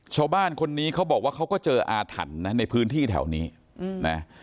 ชาวบ้านคนนี้เขาบอกว่าเขาก็เจออาถรรพ์นะในพื้นที่แถวนี้นะ